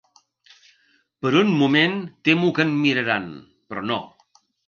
Per un moment temo que em miraran, però no.